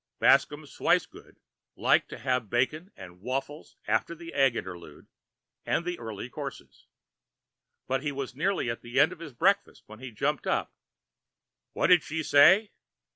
Bascomb Swicegood liked to have bacon and waffles after the egg interlude and the earlier courses. But he was nearly at the end of his breakfast when he jumped up. "What did she say?"